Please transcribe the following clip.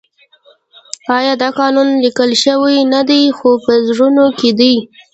آیا دا قانون لیکل شوی نه دی خو په زړونو کې دی؟